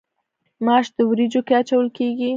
ماش په وریجو کې اچول کیږي.